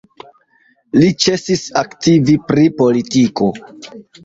Li ĉesis aktivi pri politiko.